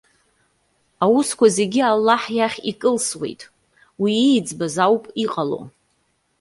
Аусқәа зегьы Аллаҳ иахь икылсуеит, уи ииӡбаз ауп иҟало!